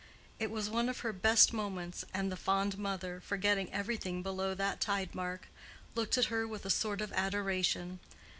It was one of her best moments, and the fond mother, forgetting everything below that tide mark, looked at her with a sort of adoration.